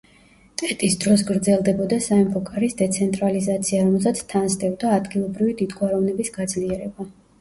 ტეტის დროს გრძელდებოდა სამეფო კარის დეცენტრალიზაცია, რომელსაც თან სდევდა ადგილობრივი დიდგვაროვნების გაძლიერება.